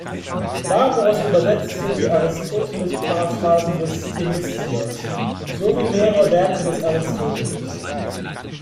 Barbarus übersetzte die Aristoteles-Paraphrasen des Themistios, sowie mehrere Werke des Aristoteles.